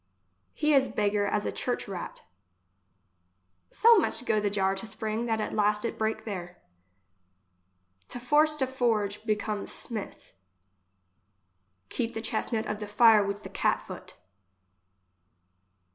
He is beggar as a church rat So much go the jar to spring that at last it break there. To force to forge, becomes smith. Keep the chestnut of the fire with the cat foot.